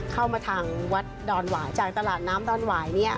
เข้ามาทางวัดดอนหวายจากตลาดน้ำดอนหวายเนี่ย